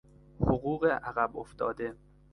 حقوق عقب افتاده